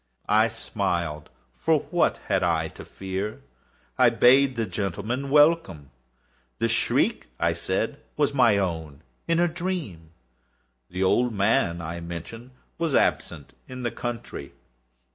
I smiled,—for what had I to fear? I bade the gentlemen welcome. The shriek, I said, was my own in a dream. The old man, I mentioned, was absent in the country.